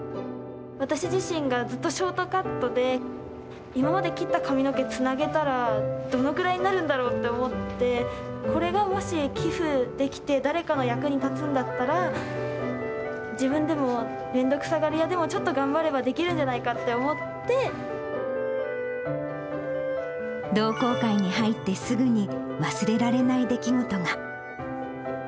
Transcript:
私自身がずっとショートカットで、今まで切った髪の毛つなげたら、どのくらいになるんだろうって思って、これがもし寄付できて、誰かの役に立つんだったら、自分でも、めんどくさがり屋でもちょっと頑張ればできるんじゃないかって思同好会に入ってすぐに忘れられない出来事が。